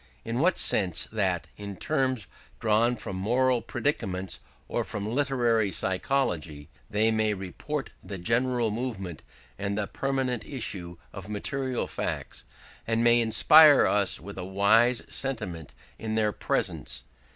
In the sense that, in terms drawn from moral predicaments or from literary psychology, they may report the general movement and the pertinent issue of material facts, and may inspire us with a wise sentiment in their presence.